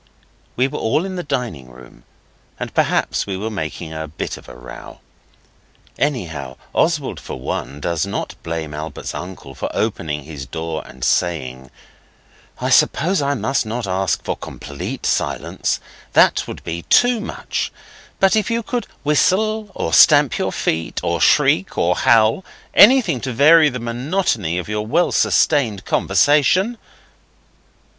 We were all in the dining room, and perhaps we were making a bit of a row. Anyhow, Oswald for one, does not blame Albert's uncle for opening his door and saying 'I suppose I must not ask for complete silence. That were too much. But if you could whistle, or stamp with your feet, or shriek or howl anything to vary the monotony of your well sustained conversation.